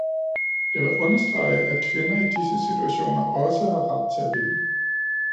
Jeg vil understrege, at kvinder i disse situationer også har ret til at vælge.